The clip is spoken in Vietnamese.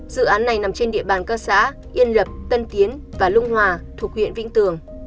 dự án này nằm trên địa bàn các xã yên lập tân tiến và lung hòa thuộc huyện vĩnh tường